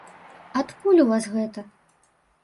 Адкуль у вас гэта?